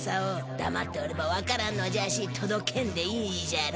だまっておればわからんのじゃしとどけんでいいじゃろ。